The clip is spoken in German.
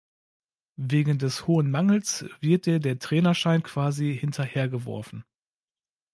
Wegen des hohen Mangels wird dir der Trainerschein quasi hinterhergeworfen.